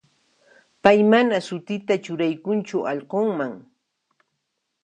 Pay mana sutita churaykunchu allqunman.